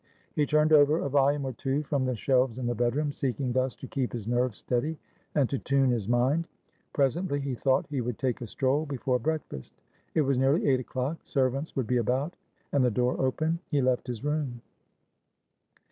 He turned over a volume or two from the shelves in the bedroom, seeking thus to keep his nerves steady and to tune his mind. Presently he thought he would take a stroll before breakfast. It was nearly eight o'clock; servants would be about and the door open. He left his room.